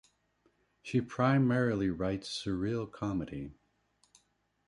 She primarily writes surreal comedy.